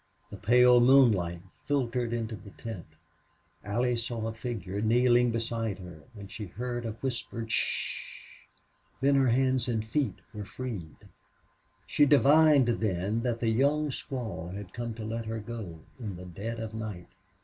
The pale moonlight filtered into the tent. Allie saw a figure kneeling beside her and she heard a whispered "'Sh s s sh!" Then her hands and feet were freed. She divined then that the young squaw had come to let her go, in the dead of night.